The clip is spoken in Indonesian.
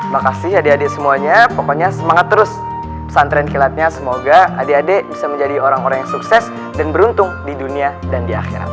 makasih adik adik semuanya pokoknya semangat terus pesantren kilatnya semoga adik adik bisa menjadi orang orang yang sukses dan beruntung di dunia dan di akhirat